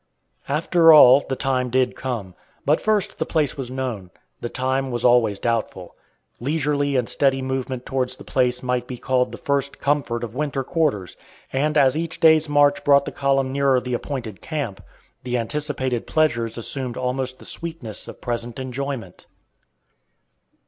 After all, the time did come. But first the place was known. The time was always doubtful. Leisurely and steady movement towards the place might be called the first "comfort" of winter quarters; and as each day's march brought the column nearer the appointed camp, the anticipated pleasures assumed almost the sweetness of present enjoyment.